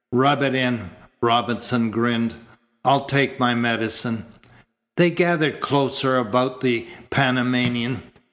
"Rub it in," Robinson grinned. "I'll take my medicine." They gathered closer about the Panamanian.